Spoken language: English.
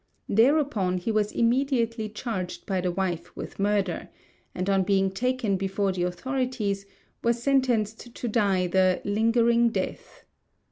Thereupon he was immediately charged by the wife with murder, and on being taken before the authorities was sentenced to die the "lingering death."